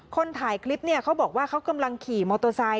คนถ่ายคลิปเนี่ยเขาบอกว่าเขากำลังขี่มอเตอร์ไซค